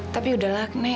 tapi udahlah nek